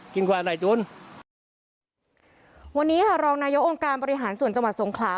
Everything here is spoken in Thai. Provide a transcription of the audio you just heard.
กินความอะไรโจทย์วันนี้ฮะรองนายโอ้งการปริหารส่วนจังหวัดสงขลา